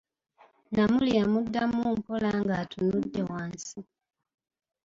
Namuli yamuddanmu mpola ng'atunudde wansi.